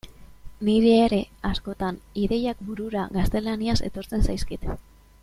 Niri ere, askotan, ideiak burura gaztelaniaz etortzen zaizkit.